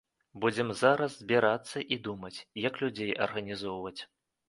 Будзем зараз збірацца і думаць, як людзей арганізоўваць.